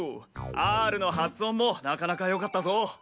Ｒの発音もなかなかよかったぞ。